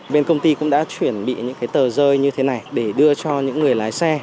bên công ty cũng đã chuẩn bị những cái tờ rơi như thế này để đưa cho những người lái xe